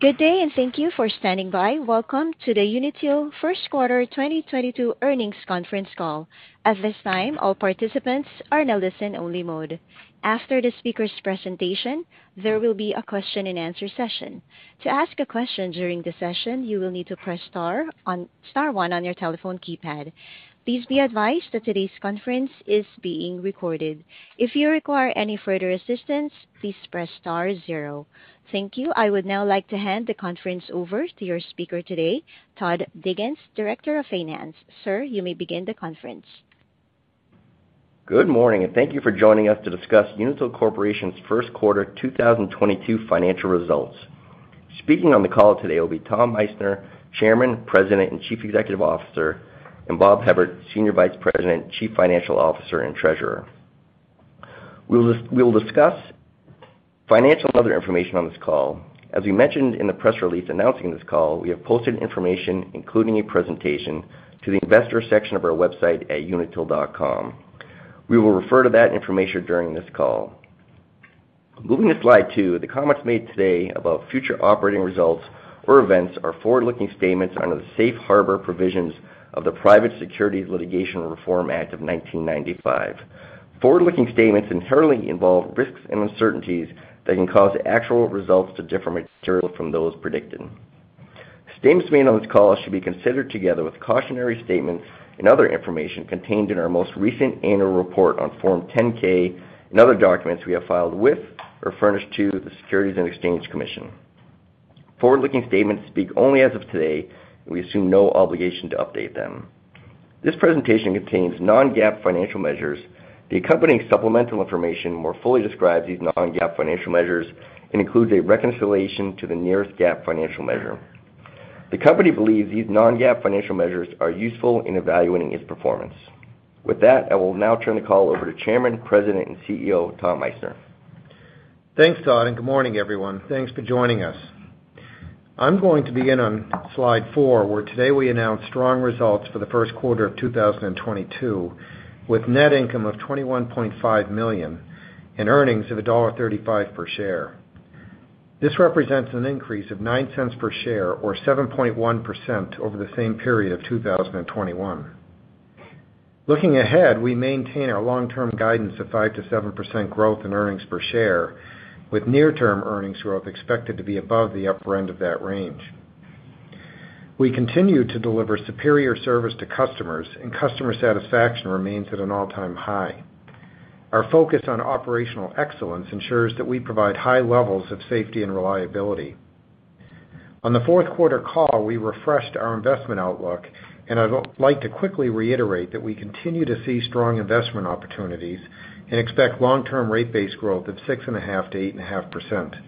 Good day and thank you for standing by. Welcome to the Unitil first quarter 2022 Earnings Conference Call. At this time, all participants are in a listen-only mode. After the speaker's presentation, there will be a Q&A session. To ask a question during the session, you will need to press star one on your telephone keypad. Please be advised that today's conference is being recorded. If you require any further assistance, please press star zero. Thank you. I would now like to hand the conference over to your speaker today, Todd Diggins, Director of Finance. Sir, you may begin the conference. Good morning and thank you for joining us to discuss Unitil Corporation's Q1 2022 financial results. Speaking on the call today will be Tom Meissner, Chairman, President, and Chief Executive Officer, and Bob Hevert, Senior Vice President, Chief Financial Officer, and Treasurer. We'll discuss financial and other information on this call. As we mentioned in the press release announcing this call, we have posted information, including a presentation to the investor section of our website at unitil.com. We will refer to that information during this call. Moving to slide two. The comments made today about future operating results or events are forward-looking statements under the Safe Harbor provisions of the Private Securities Litigation Reform Act of 1995. Forward-looking statements inherently involve risks and uncertainties that can cause actual results to differ materially from those predicted. Statements made on this call should be considered together with cautionary statements and other information contained in our most recent annual report on Form 10-K and other documents we have filed with or furnished to the Securities and Exchange Commission. Forward-looking statements speak only as of today, and we assume no obligation to update them. This presentation contains non-GAAP financial measures. The accompanying supplemental information more fully describes these non-GAAP financial measures and includes a reconciliation to the nearest GAAP financial measure. The company believes these non-GAAP financial measures are useful in evaluating its performance. With that, I will now turn the call over to Chairman, President, and CEO, Tom Meissner. Thanks, Todd, and good morning, everyone. Thanks for joining us. I'm going to begin on slide four, where today we announce strong results for the Q1 of 2022, with net income of $21.5 million and earnings of $1.35 per share. This represents an increase of $0.09 per share or 7.1% over the same period of 2021. Looking ahead, we maintain our long-term guidance of 5%-7% growth in earnings per share, with near-term earnings growth expected to be above the upper end of that range. We continue to deliver superior service to customers, and customer satisfaction remains at an all-time high. Our focus on operational excellence ensures that we provide high levels of safety and reliability. On the Q4 call, we refreshed our investment outlook, and I would like to quickly reiterate that we continue to see strong investment opportunities and expect long-term rate base growth of 6.5%-8.5%.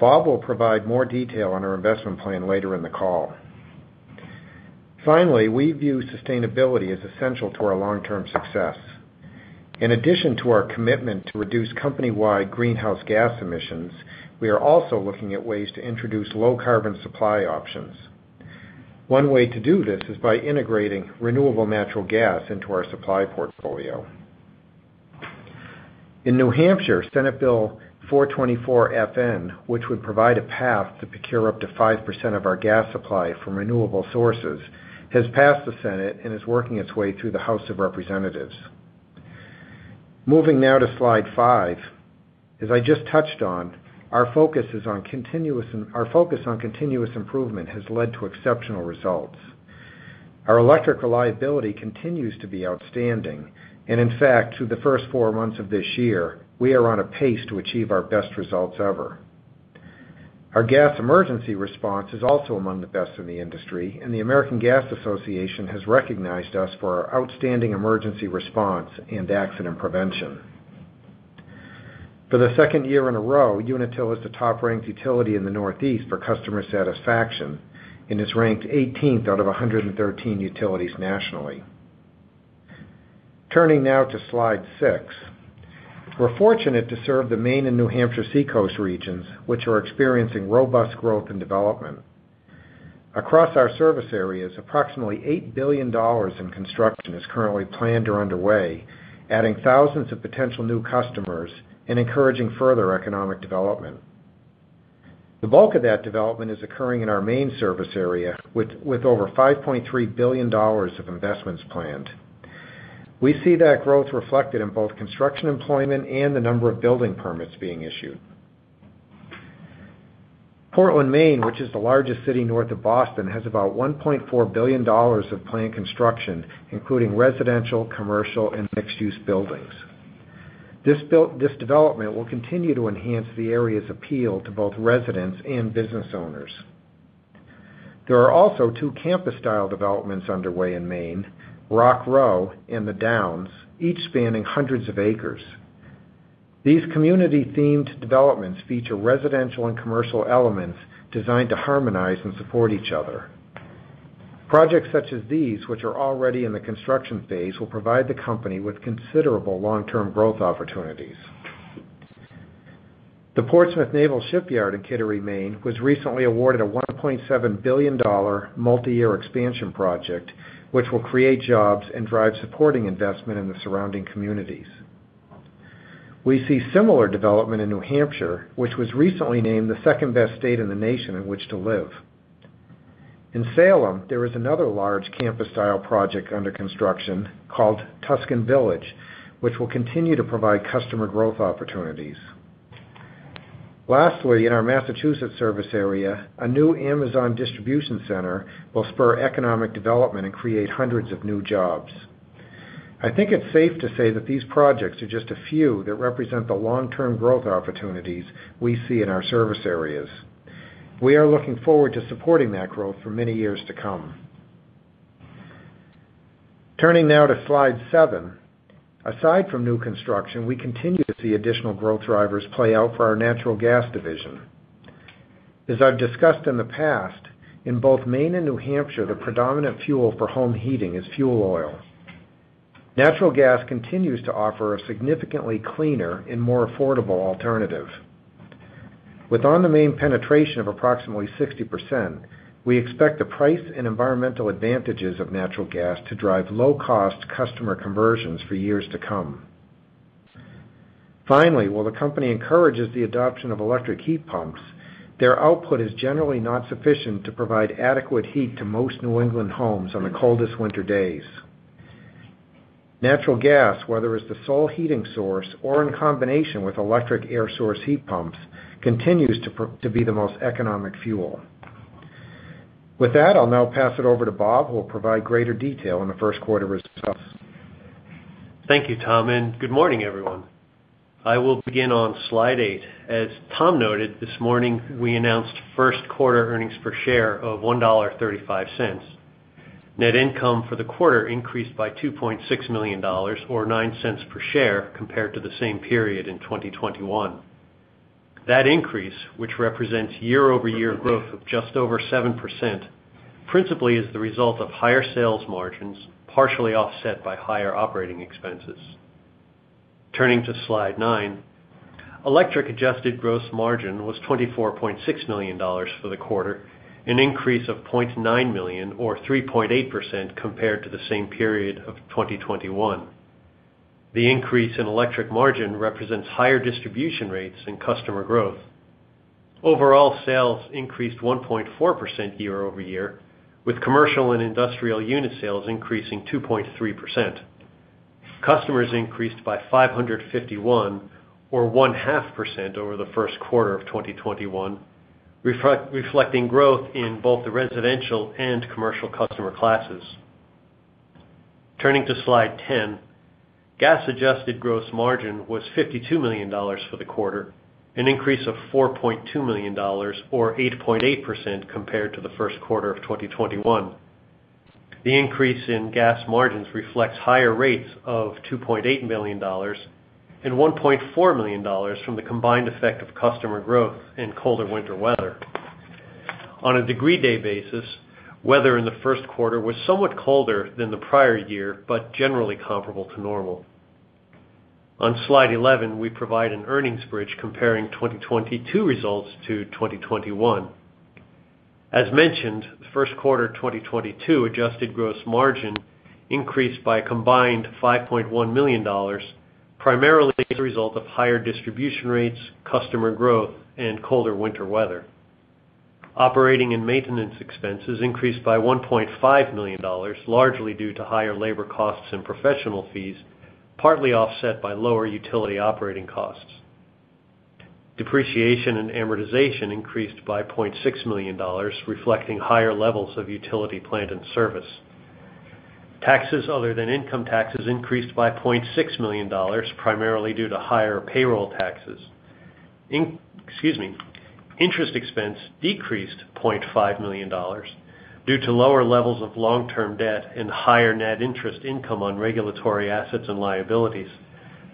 Bob will provide more detail on our investment plan later in the call. Finally, we view sustainability as essential to our long-term success. In addition to our commitment to reduce company-wide greenhouse gas emissions, we are also looking at ways to introduce low-carbon supply options. One way to do this is by integrating renewable natural gas into our supply portfolio. In New Hampshire, Senate Bill 424-FN, which would provide a path to procure up to 5% of our gas supply from renewable sources, has passed the Senate and is working its way through the House of Representatives. Moving now to slide five. Our focus on continuous improvement has led to exceptional results. Our electric reliability continues to be outstanding, and in fact, through the first four months of this year, we are on a pace to achieve our best results ever. Our gas emergency response is also among the best in the industry, and the American Gas Association has recognized us for our outstanding emergency response and accident prevention. For the second year in a row, Unitil is the top-ranked utility in the Northeast for customer satisfaction and is ranked 18th out of 113 utilities nationally. Turning now to slide six. We're fortunate to serve the Maine and New Hampshire seacoast regions, which are experiencing robust growth and development. Across our service areas, approximately $8 billion in construction is currently planned or underway, adding thousands of potential new customers and encouraging further economic development. The bulk of that development is occurring in our Maine service area, with over $5.3 billion of investments planned. We see that growth reflected in both construction employment and the number of building permits being issued. Portland, Maine, which is the largest city north of Boston, has about $1.4 billion of planned construction, including residential, commercial, and mixed-use buildings. This development will continue to enhance the area's appeal to both residents and business owners. There are also two campus-style developments underway in Maine, Rock Row and The Downs, each spanning hundreds of acres. These community-themed developments feature residential and commercial elements designed to harmonize and support each other. Projects such as these, which are already in the construction phase, will provide the company with considerable long-term growth opportunities. The Portsmouth Naval Shipyard in Kittery, Maine, was recently awarded a $1.7 billion multi-year expansion project, which will create jobs and drive supporting investment in the surrounding communities. We see similar development in New Hampshire, which was recently named the 2nd best state in the nation in which to live. In Salem, there is another large campus-style project under construction called Tuscan Village, which will continue to provide customer growth opportunities. Lastly, in our Massachusetts service area, a new Amazon distribution center will spur economic development and create hundreds of new jobs. I think it's safe to say that these projects are just a few that represent the long-term growth opportunities we see in our service areas. We are looking forward to supporting that growth for many years to come. Turning now to slide seven. Aside from new construction, we continue to see additional growth drivers play out for our natural gas division. As I've discussed in the past, in both Maine and New Hampshire, the predominant fuel for home heating is fuel oil. Natural gas continues to offer a significantly cleaner and more affordable alternative. With on-system penetration of approximately 60%, we expect the price and environmental advantages of natural gas to drive low-cost customer conversions for years to come. Finally, while the company encourages the adoption of electric heat pumps, their output is generally not sufficient to provide adequate heat to most New England homes on the coldest winter days. Natural gas, whether as the sole heating source or in combination with electric air source heat pumps, continues to be the most economical fuel. With that, I'll now pass it over to Bob, who will provide greater detail on the Q1 results. Thank you, Tom, and good morning everyone. I will begin on slide eight. As Tom noted, this morning we announced Q1 earnings per share of $1.35. Net income for the quarter increased by $2.6 million or $0.09 per share compared to the same period in 2021. That increase, which represents year-over-year growth of just over 7%, principally is the result of higher sales margins, partially offset by higher operating expenses. Turning to slide nine. Electric adjusted gross margin was $24.6 million for the quarter, an increase of $0.9 million or 3.8% compared to the same period of 2021. The increase in electric margin represents higher distribution rates and customer growth. Overall sales increased 1.4% year-over-year, with commercial and industrial unit sales increasing 2.3%. Customers increased by 551 or 0.5% over the Q1 of 2021, reflecting growth in both the residential and commercial customer classes. Turning to Slide 10. Gas adjusted gross margin was $52 million for the quarter, an increase of $4.2 million or 8.8% compared to the Q1 of 2021. The increase in gas margins reflects higher rates of $2.8 million and $1.4 million from the combined effect of customer growth and colder winter weather. On a degree day basis, weather in the Q1 was somewhat colder than the prior year, but generally comparable to normal. On Slide 11, we provide an earnings bridge comparing 2022 results to 2021. As mentioned, the Q1 2022 adjusted gross margin increased by a combined $5.1 million, primarily as a result of higher distribution rates, customer growth, and colder winter weather. Operating and maintenance expenses increased by $1.5 million, largely due to higher labor costs and professional fees, partly offset by lower utility operating costs. Depreciation and amortization increased by $0.6 million, reflecting higher levels of utility plant and service. Taxes other than income taxes increased by $0.6 million, primarily due to higher payroll taxes. Interest expense decreased $0.5 million due to lower levels of long-term debt and higher net interest income on regulatory assets and liabilities,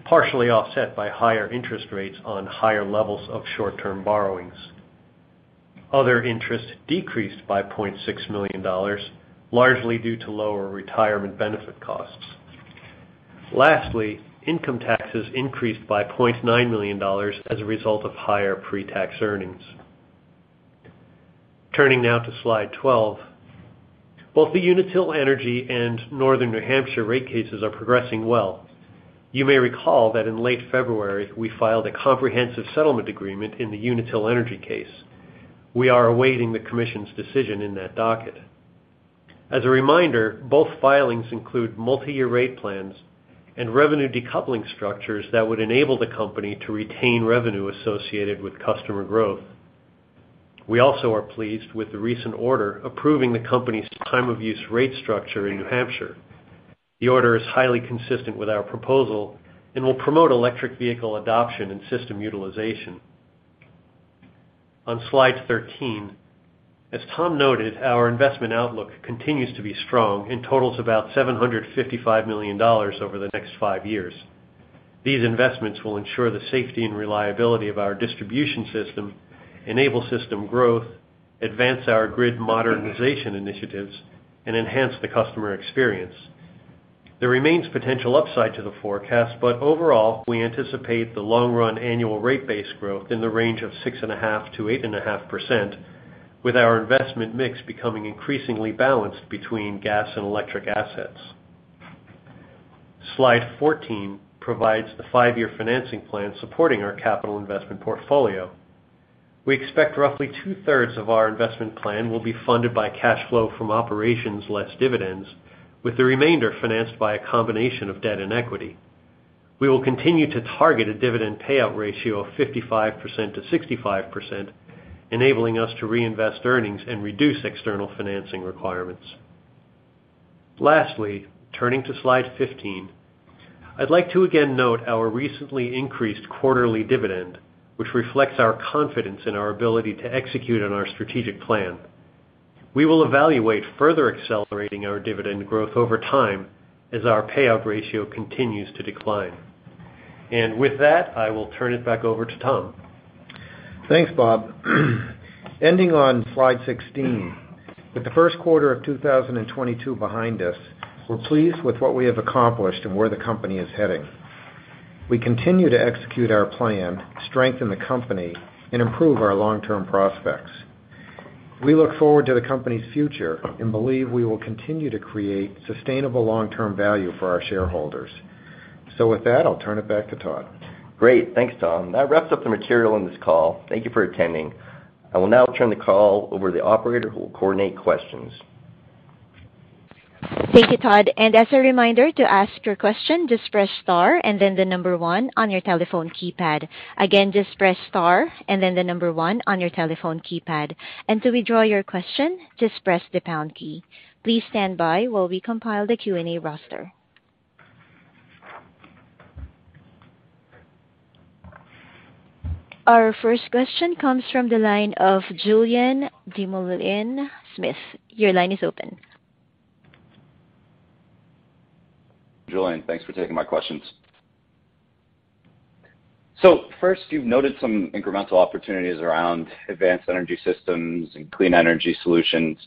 partially offset by higher interest rates on higher levels of short-term borrowings. Other interests decreased by $0.6 million, largely due to lower retirement benefit costs. Lastly, income taxes increased by $0.9 million as a result of higher pre-tax earnings. Turning now to slide 12. Both the Unitil Energy and Northern New Hampshire rate cases are progressing well. You may recall that in late February, we filed a comprehensive settlement agreement in the Unitil Energy case. We are awaiting the Commission's decision in that docket. As a reminder, both filings include multi-year rate plans and revenue decoupling structures that would enable the company to retain revenue associated with customer growth. We also are pleased with the recent order approving the company's time-of-use rate structure in New Hampshire. The order is highly consistent with our proposal and will promote electric vehicle adoption and system utilization. On slide 13. As Tom noted, our investment outlook continues to be strong and totals about $755 million over the next five years. These investments will ensure the safety and reliability of our distribution system, enable system growth, advance our grid modernization initiatives, and enhance the customer experience. There remains potential upside to the forecast, but overall, we anticipate the long-run annual rate base growth in the range of 6.5%-8.5%. With our investment mix becoming increasingly balanced between gas and electric assets. Slide 14 provides the five-year financing plan supporting our capital investment portfolio. We expect roughly 2/3 of our investment plan will be funded by cash flow from operations less dividends, with the remainder financed by a combination of debt and equity. We will continue to target a dividend payout ratio of 55%-65%, enabling us to reinvest earnings and reduce external financing requirements. Lastly, turning to slide 15. I'd like to again note our recently increased quarterly dividend, which reflects our confidence in our ability to execute on our strategic plan. We will evaluate further accelerating our dividend growth over time as our payout ratio continues to decline. With that, I will turn it back over to Tom Meissner. Thanks, Bob. Ending on slide 16, with the Q1 of 2022 behind us, we're pleased with what we have accomplished and where the company is heading. We continue to execute our plan, strengthen the company, and improve our long-term prospects. We look forward to the company's future and believe we will continue to create sustainable long-term value for our shareholders. With that, I'll turn it back to Todd. Great. Thanks, Tom. That wraps up the material on this call. Thank you for attending. I will now turn the call over to the operator who will coordinate questions. Thank you, Todd, and as a reminder to ask your question, just press star and then the number one on your telephone keypad. Again, just press star and then the number one on your telephone keypad. To withdraw your question, just press the pound key. Please stand by while we compile the Q&A roster. Our first question comes from the line of Julien Dumoulin-Smith. Your line is open. Julien, thanks for taking my questions. First, you've noted some incremental opportunities around advanced energy systems and clean energy solutions.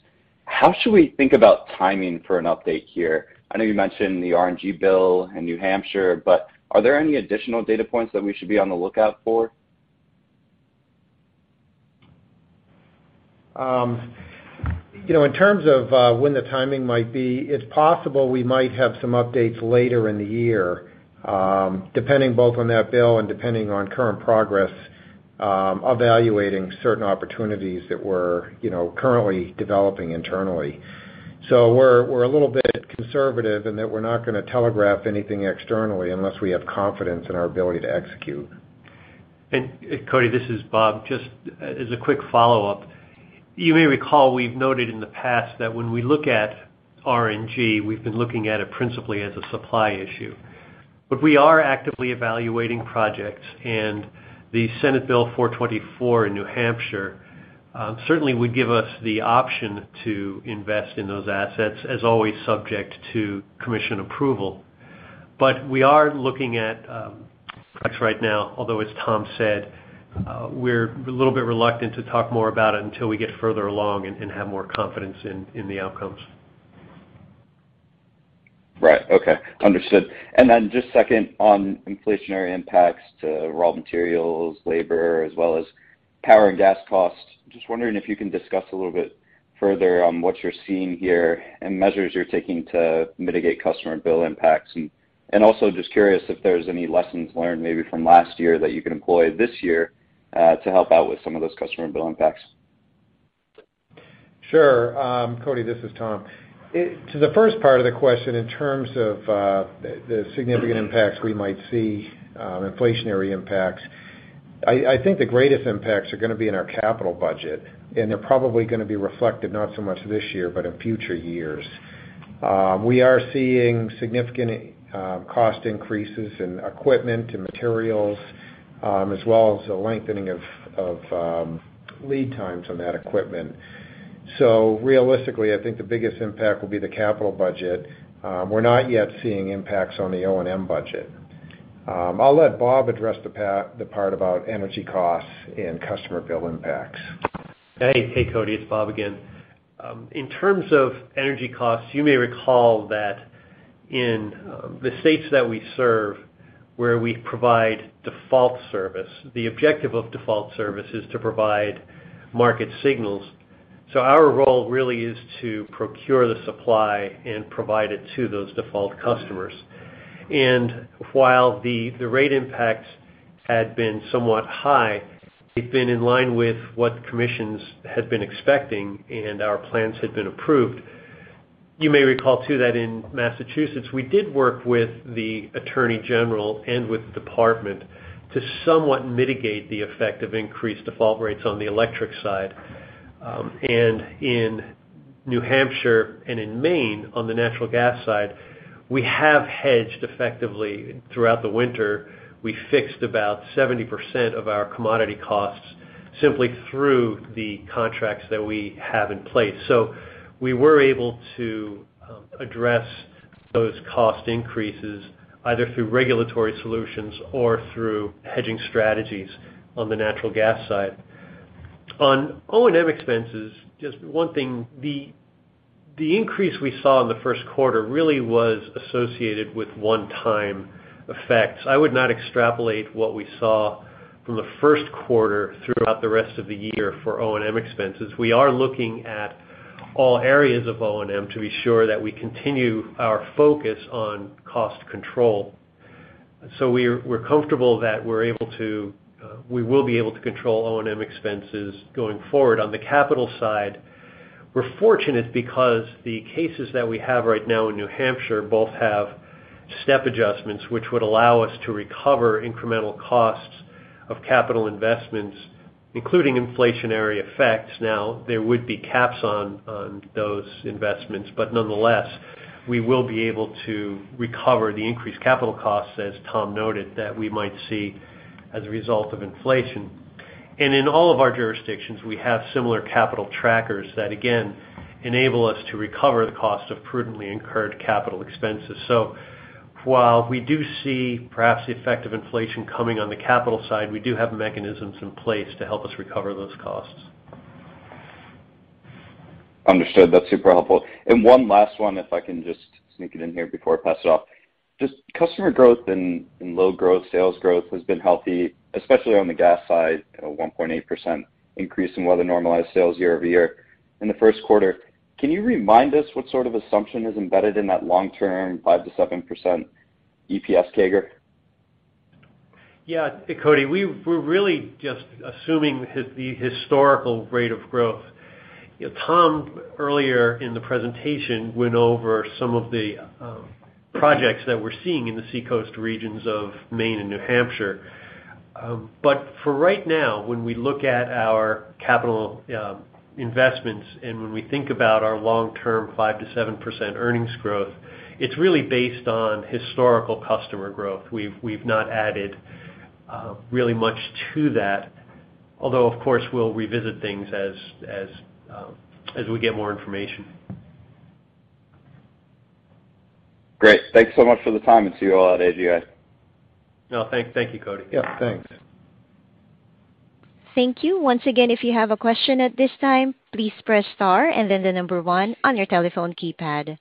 How should we think about timing for an update here? I know you mentioned the RNG bill in New Hampshire, but are there any additional data points that we should be on the lookout for? You know, in terms of when the timing might be, it's possible we might have some updates later in the year, depending both on that bill and depending on current progress, evaluating certain opportunities that we're, you know, currently developing internally. We're a little bit conservative in that we're not gonna telegraph anything externally unless we have confidence in our ability to execute. Julien, this is Bob. Just as a quick follow-up. You may recall we've noted in the past that when we look at RNG, we've been looking at it principally as a supply issue. We are actively evaluating projects, and the Senate Bill 424-FN in New Hampshire certainly would give us the option to invest in those assets as always subject to commission approval. We are looking at right now, although as Tom said, we're a little bit reluctant to talk more about it until we get further along and have more confidence in the outcomes. Right. Okay. Understood. Just second on inflationary impacts to raw materials, labor, as well as power and gas costs. Just wondering if you can discuss a little bit further on what you're seeing here and measures you're taking to mitigate customer bill impacts. Also just curious if there's any lessons learned maybe from last year that you can employ this year to help out with some of those customer bill impacts? Sure. Cody, this is Tom. The first part of the question in terms of the significant impacts we might see, inflationary impacts. I think the greatest impacts are gonna be in our capital budget, and they're probably gonna be reflected not so much this year but in future years. We are seeing significant cost increases in equipment and materials, as well as a lengthening of lead times on that equipment. Realistically, I think the biggest impact will be the capital budget. We're not yet seeing impacts on the O&M budget. I'll let Bob address the part about energy costs and customer bill impacts. Hey, hey, Cody, it's Bob again. In terms of energy costs, you may recall that in the states that we serve where we provide default service, the objective of default service is to provide market signals. Our role really is to procure the supply and provide it to those default customers. While the rate impacts had been somewhat high, they've been in line with what commissions had been expecting and our plans had been approved. You may recall too that in Massachusetts, we did work with the attorney general and with the department to somewhat mitigate the effect of increased default rates on the electric side. In New Hampshire and in Maine, on the natural gas side, we have hedged effectively. Throughout the winter, we fixed about 70% of our commodity costs simply through the contracts that we have in place. We were able to address those cost increases either through regulatory solutions or through hedging strategies on the natural gas side. On O&M expenses, just one thing, the increase we saw in the Q1 really was associated with one-time effects. I would not extrapolate what we saw from the Q1 throughout the rest of the year for O&M expenses. We are looking at all areas of O&M to be sure that we continue our focus on cost control. We're comfortable that we will be able to control O&M expenses going forward. On the capital side, we're fortunate because the cases that we have right now in New Hampshire both have step adjustments, which would allow us to recover incremental costs of capital investments, including inflationary effects. Now, there would be caps on those investments. Nonetheless, we will be able to recover the increased capital costs, as Tom noted, that we might see as a result of inflation. In all of our jurisdictions, we have similar capital trackers that again enable us to recover the cost of prudently incurred capital expenses. While we do see perhaps the effect of inflation coming on the capital side, we do have mechanisms in place to help us recover those costs. Understood. That's super helpful. One last one, if I can just sneak it in here before I pass it off. Just customer growth and load growth, sales growth has been healthy, especially on the gas side, 1.8% increase in weather normalized sales year-over-year in the Q1. Can you remind us what sort of assumption is embedded in that long-term 5%-7% EPS CAGR? Yeah. Cody, we're really just assuming the historical rate of growth. Tom, earlier in the presentation, went over some of the projects that we're seeing in the Seacoast regions of Maine and New Hampshire. For right now, when we look at our capital investments and when we think about our long-term 5%-7% earnings growth, it's really based on historical customer growth. We've not added really much to that. Although, of course, we'll revisit things as we get more information. Great. Thanks so much for the time and see you all at AGA. No, thank you, Cody. Yeah, thanks. Thank you. Once again, if you have a question at this time, please press star and then the number one on your telephone keypad.